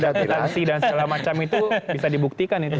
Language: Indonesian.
apalagi sudah ada kwitansi dan segala macam itu bisa dibuktikan itu